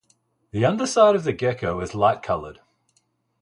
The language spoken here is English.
The underside of the gecko is light-colored.